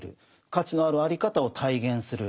価値のあるあり方を体現する。